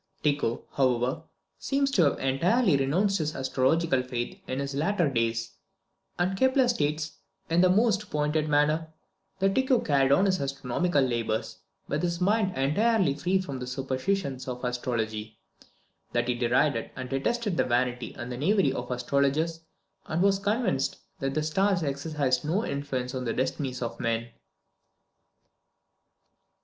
Tycho, however, seems to have entirely renounced his astrological faith in his latter days; and Kepler states, in the most pointed manner, that Tycho carried on his astronomical labours with his mind entirely free from the superstitions of astrology; that he derided and detested the vanity and knavery of astrologers, and was convinced that the stars exercised no influence on the destinies of men. In his Preface to the Rudolphine Tables.